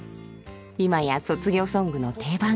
今や卒業ソングの定番。